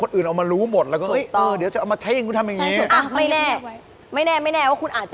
๕แล้วกันค่ะ